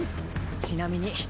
ちなみに。